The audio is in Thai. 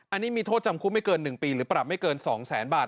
อันนี้มีโทษจำคุกไม่เกิน๑ปีหรือปรับไม่เกิน๒แสนบาท